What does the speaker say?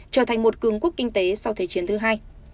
trở thành một cường quốc kinh tế sau thế chiến thứ hai